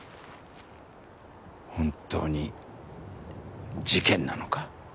本当に事件なのか？